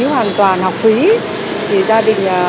hoàn toàn học phí thì ra đường